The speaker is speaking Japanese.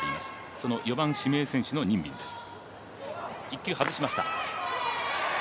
その４番・指名選手の任敏です。